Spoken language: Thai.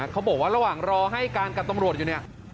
เขาบอกว่าระหว่างรอให้การกับตำรวจอยู่เนี่ย